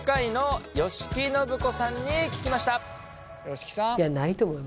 吉木さん。